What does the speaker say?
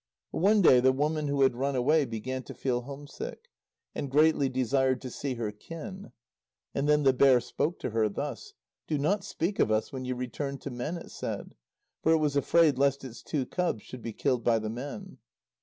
But one day the woman who had run away began to feel homesick, and greatly desired to see her kin. And then the bear spoke to her thus: "Do not speak of us when you return to men," it said. For it was afraid lest its two cubs should be killed by the men.